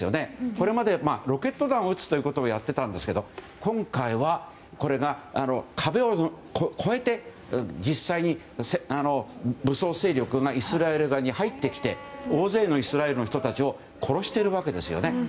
これまではロケット弾を撃つということはやっていたんですが今回は、これが壁を越えて実際に武装勢力がイスラエル側に入ってきて大勢のイスラエルの人たちを殺しているわけですよね。